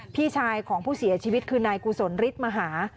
พี่ชายของผู้เสียชีวิตคือนายกุศลฤทธิ์มหา